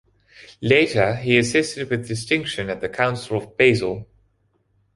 Later he assisted with distinction at the Council of Basle.